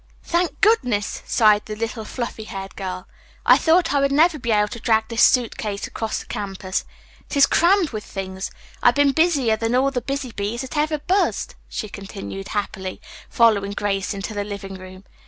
"Thank goodness," sighed the little fluffy haired girl. "I thought I would never be able to drag this suit case across the campus. It is crammed with things. I've been busier than all the busy bees that ever buzzed," she continued happily, following Grace into the living room.